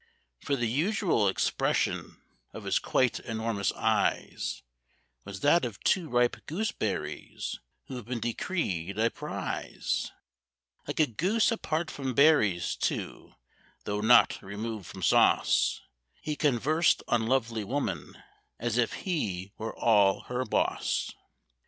For the usual expression of his quite enormous eyes Was that of two ripe gooseberries who've been decreed a prize; Like a goose apart from berries, too—though not removed from sauce— He conversed on lovely Woman as if he were all her boss.